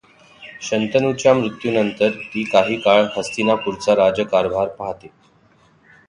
शंतनूच्या मृत्यूनंतर ती काही काळ हस्तिनापूरचा राजकारभार पाहते.